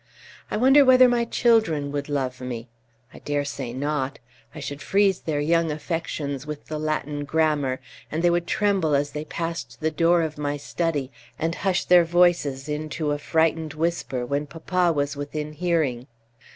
I wonder whether my children would love me? I dare say not. I should freeze their young affections with the Latin grammar, and they would tremble as they passed the door of my study, and hush their voices into a frightened whisper when papa was within hearing."